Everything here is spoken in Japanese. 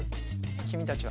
君たちは。